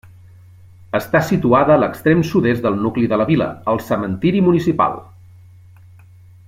Està situada a l'extrem sud-est del nucli de la vila, al cementiri municipal.